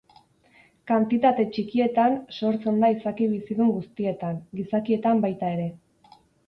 Kantitate txikietan sortzen da izaki bizidun guztietan, gizakietan baita ere.